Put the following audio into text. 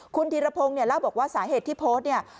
คุณธีรพงศ์เนี่ยเล่าบอกว่าสาเหตุที่โพสต์เนี่ย